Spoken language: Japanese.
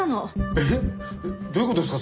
えっ？どういう事ですか？